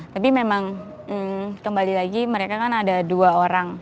tapi memang kembali lagi mereka kan ada dua orang